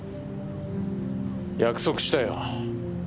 約束したよ。